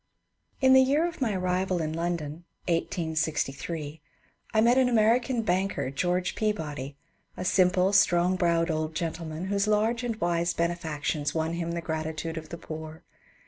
In the year of my arrival in London (1868) I met the American banker, George Peabody, — a simple, strong browed old gentleman, whose large and wise benefactions won him the gratitude of the poor.